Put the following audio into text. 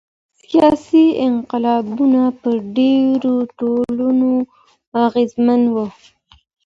سیاسي انقلابونه په ډیرو ټولنو اغیزمن وو.